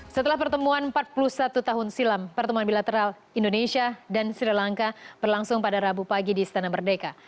setelah pertemuan empat puluh satu tahun silam pertemuan bilateral indonesia dan sri lanka berlangsung pada rabu pagi di istana merdeka